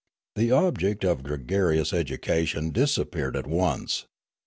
The object of gregarious education disappeared at once.